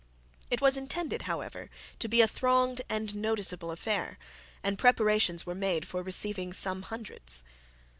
It was intended, however, to be a thronged and noticeable affair, and preparations were made for receiving some hundreds.